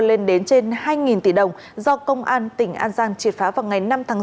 lên đến trên hai tỷ đồng do công an tỉnh an giang triệt phá vào ngày năm tháng năm